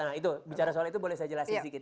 nah itu bicara soal itu boleh saya jelasin sedikit